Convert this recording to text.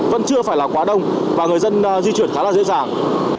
vẫn chưa phải là quá đông và người dân di chuyển khá là dễ dàng